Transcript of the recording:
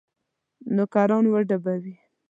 نوکران وډبوي.